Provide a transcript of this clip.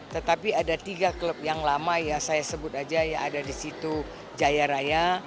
tetapi ada tiga klub yang lama ya saya sebut aja ya ada di situ jaya raya